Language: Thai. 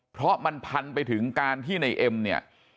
เพราะมันพันไปถึงการที่ในเอ็มเนี่ย